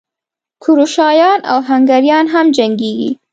کروشیایان او هنګریایان هم جنګېږي.